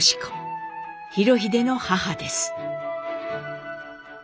裕英の母です。